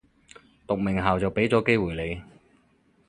讀名校就畀咗機會你